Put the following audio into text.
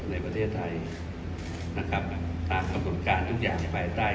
ในประเทศไทยนะครับตามคำสมการทุกอย่างไปใต้